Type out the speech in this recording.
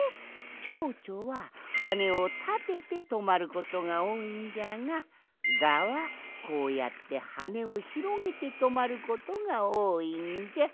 チョウチョははねをたててとまることがおおいんじゃがガはこうやってはねをひろげてとまることがおおいんじゃ。